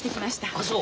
あそう。